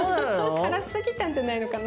辛すぎたんじゃないのかな？